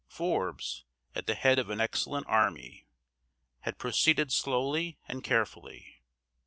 Forbes, at the head of an excellent army, had proceeded slowly and carefully.